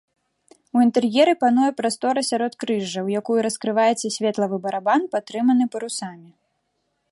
У інтэр'еры пануе прастора сяродкрыжжа, у якую раскрываецца светлавы барабан, падтрыманы парусамі.